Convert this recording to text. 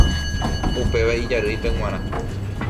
Upéva ijarýipe g̃uarã.